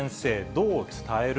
どう伝える？